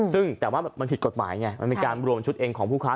ซึ่งแต่ว่ามันผิดกฎหมายไงมันมีการรวมชุดเองของผู้ค้า